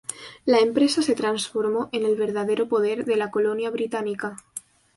La empresa se transformó en el verdadero poder de la colonia británica.